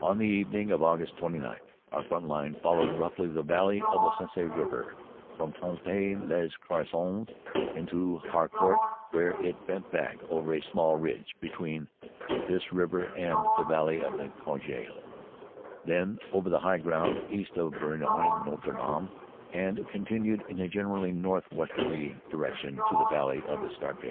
"On the evening of Aug. 29 our front line followed roughly the valley of the Sensee river from Fontaine lez Croisilles to Haucourt, where it bent back over a small ridge between this river and the valley of the Cojeul, then over the high ground east of Boiry Notre Dame, and continued in a generally north westerly direction to the valley of the Scarpe.